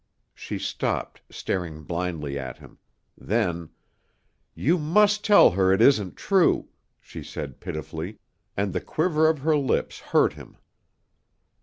She stopped, staring blindly at him; then, "You must tell her it isn't true," she said pitifully, and the quiver of her lips hurt him.